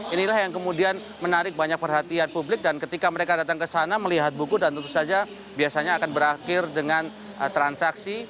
inilah yang kemudian menarik banyak perhatian publik dan ketika mereka datang ke sana melihat buku dan tentu saja biasanya akan berakhir dengan transaksi